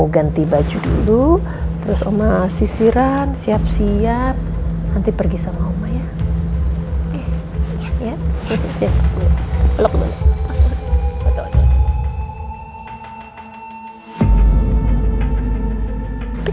ganti baju dulu terus omah sisiran siap siap nanti pergi sama omah ya ya